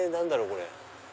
これ。